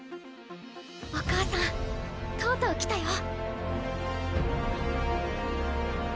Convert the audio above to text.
お母さんとうとう来たよ。